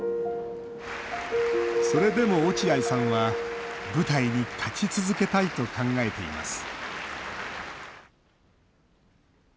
それでも落合さんは舞台に立ち続けたいと考えています